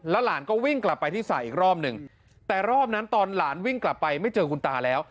หลานก็วิ่งกลับไปที่สระอีกรอบหนึ่งแต่รอบนั้นตอนหลานวิ่งกลับไปไม่เจอคุณตาแล้ว